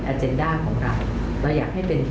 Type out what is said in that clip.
เจนด้าของเราเราอยากให้เป็น